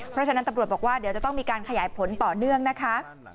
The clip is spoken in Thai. เพราะฉะนั้นตำรวจบอกว่าเดี๋ยวจะต้องมีการขยายผลต่อเนื่องนะคะ